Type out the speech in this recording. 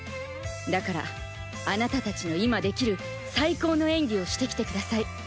だからあなたたちの今できる最高の演技をしてきてください。